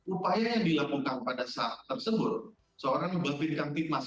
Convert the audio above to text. upaya yang dilakukan pada saat tersebut seorang yang membuktikan tipnas